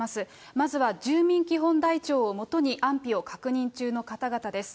まずは住民基本台帳を基に、安否を確認中の方々です。